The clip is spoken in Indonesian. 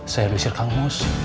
saya becer kang mus